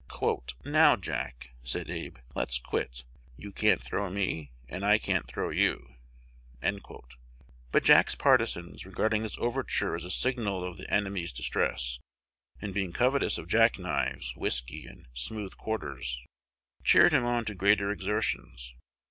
"Now, Jack," said Abe, "let's quit: you can't throw me, and I can't throw you." But Jack's partisans, regarding this overture as a signal of the enemy's distress, and being covetous of jack knives, whiskey, and "smooth quarters," cheered him on to greater exertions.